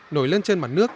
nổi lên trên mặt nước